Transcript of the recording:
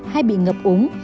hay bị ngập úng